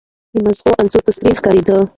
د مغزو انځور په سکرین ښکاري.